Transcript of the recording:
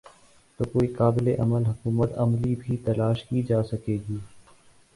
تو کوئی قابل عمل حکمت عملی بھی تلاش کی جا سکے گی۔